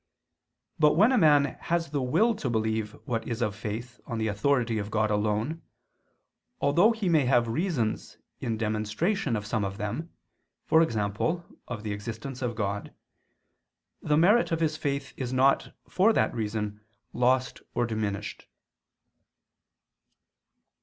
But when a man has the will to believe what is of faith on the authority of God alone, although he may have reasons in demonstration of some of them, e.g. of the existence of God, the merit of his faith is not, for that reason, lost or diminished.